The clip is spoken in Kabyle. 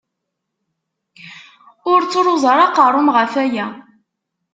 Ur ttruẓ ara aqerru-m ɣef aya!